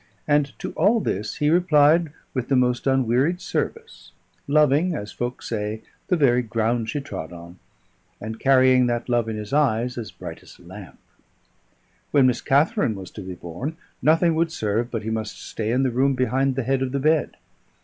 And to all this he replied with the most unwearied service; loving, as folk say, the very ground she trod on, and carrying that love in his eyes as bright as a lamp. When Miss Katharine was to be born, nothing would serve but he must stay in the room behind the head of the bed.